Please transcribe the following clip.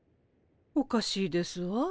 おかしいですわ。